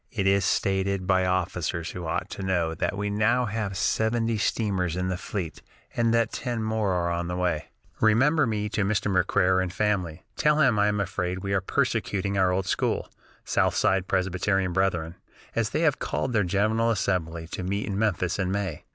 It is stated by officers who ought to know that we now have seventy steamers in the fleet, and that ten more are on the way.... "Remember me to Mr. McCarer and family. Tell him I am afraid we are persecuting our old school, southside Presbyterian brethren, as they have called their General Assembly to meet in Memphis in May.